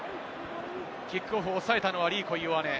キックオフ、抑えたのはリーコ・イオアネ。